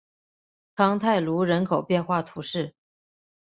康泰卢人口变化图示